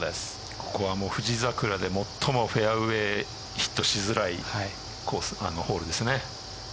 ここは富士桜で最もフェアウエーヒットしづらいホールですね。